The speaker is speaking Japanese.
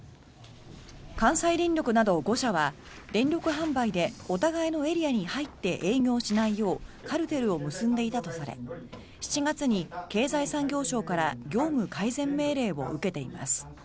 関西電力など５社は電力販売でお互いのエリアに入って営業しないようカルテルを結んでいたとされ７月に経済産業省から業務改善命令を受けています。